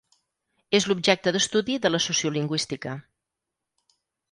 És l'objecte d'estudi de la sociolingüística.